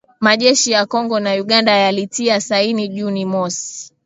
majeshi ya Kongo na Uganda yalitia saini Juni mosi